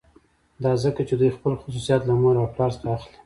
دا ځکه چې دوی خپل خصوصیات له مور او پلار څخه اخلي